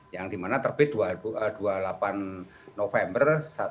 yang dimana terbit dua puluh delapan november dua ribu delapan belas